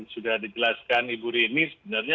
sudah dijelaskan ibu rini sebenarnya